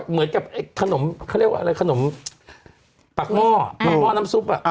เหมือนกับแขนมกำลังกินไขขนมปักหม้อน้ำซุปอ่ะ